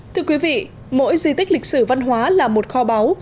thưa quý vị mỗi di tích lịch sử văn hóa là một kho báu